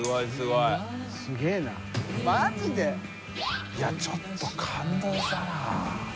いやちょっと感動したな。